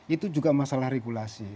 itu juga masalah regulasi